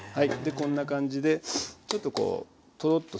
こんな感じでちょっとこうトロッとする感じね。